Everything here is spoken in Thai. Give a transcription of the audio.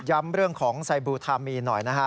เรื่องของไซบลูทามีนหน่อยนะฮะ